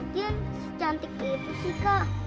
mungkin secantik itu sih kak